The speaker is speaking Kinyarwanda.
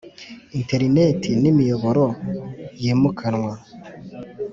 interineti n imiyoboro yimukanwa